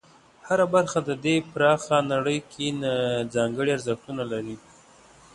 هره برخه د دې پراخه نړۍ کې ځانګړي ارزښتونه لري.